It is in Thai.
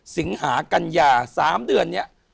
สิงหากัญญา๓เดือนนี้